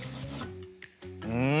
うん！